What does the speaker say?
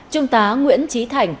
trung tá nguyễn trí thành